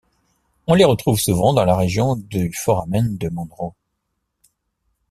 On les retrouve souvent dans la région du foramen de Monro.